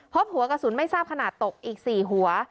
พบหัวกระสุนไม่ทราบขนาดตกอีก๔หัว